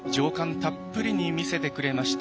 たっぷりに見せてくれました